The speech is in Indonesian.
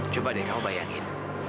coba deh kamu bayangin